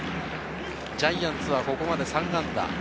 ジャイアンツはここまで３安打。